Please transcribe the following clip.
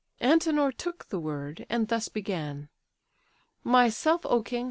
Antenor took the word, and thus began: "Myself, O king!